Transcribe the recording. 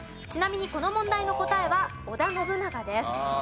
ちなみにこの問題の答えは織田信長です。